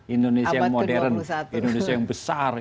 indonesia yang modern indonesia yang besar